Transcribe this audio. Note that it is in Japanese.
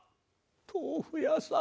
豆腐屋さん。